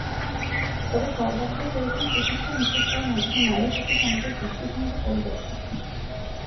তবে সর্বাগ্রে প্রয়োজন সুশিক্ষা নিশ্চিত করার মাধ্যমে নারীর প্রতি সমাজের দৃষ্টিভঙ্গির পরিবর্তন।